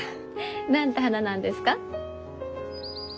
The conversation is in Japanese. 何て花なんですか？